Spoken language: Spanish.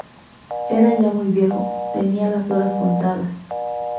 Era ya muy viejo, tenía las horas contadas